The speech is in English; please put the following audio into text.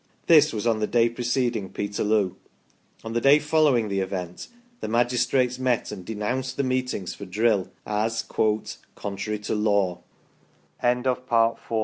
This was on the day preceding Peterloo ; on the day following the event the magistrates met and denounced the meetings for drill as " contrary to la